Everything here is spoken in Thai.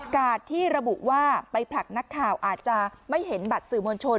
ที่ระบุว่าไปผลักนักข่าวอาจจะไม่เห็นบัตรสื่อมวลชน